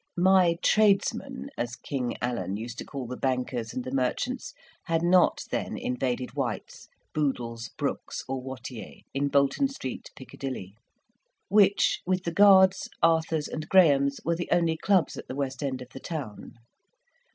"My tradesmen," as King Allen used to call the bankers and the merchants, had not then invaded White's, Boodle's, Brookes', or Wattiers', in Bolton Street, Piccadilly; which, with the Guards, Arthur's, and Graham's, were the only clubs at the West End of the town.